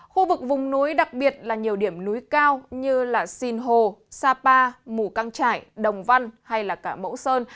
khu vực vùng núi đặc biệt là nhiều điểm núi cao như sinh hồ sapa mù căng trải đồng văn hay cả mẫu sơn